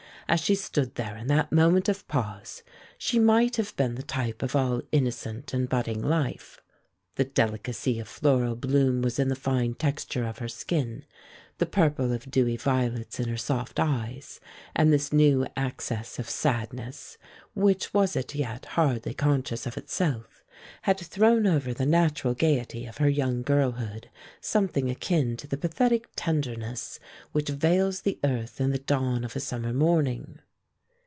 As she stood there in that moment of pause, she might have been the type of all innocent and budding life. The delicacy of floral bloom was in the fine texture of her skin, the purple of dewy violets in her soft eyes; and this new access of sadness, which was as yet hardly conscious of itself, had thrown over the natural gayety of her young girlhood something akin to the pathetic tenderness which veils the earth in the dawn of a summer morning.